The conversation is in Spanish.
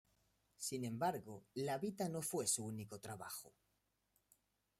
Sin embargo, la "Vita" no fue su único trabajo.